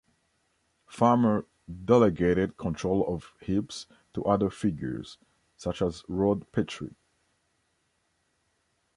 Farmer delegated control of Hibs to other figures, such as Rod Petrie.